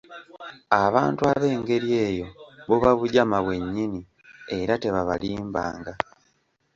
Abantu ab'engeri eyo buba bujama, bwe nyinni, era tebabalimbanga.